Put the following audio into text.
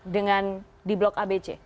dengan di blok a b c